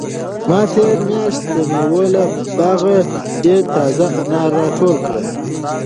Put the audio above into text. ما تېره میاشت د مېوو له باغه ډېر تازه انار راټول کړل.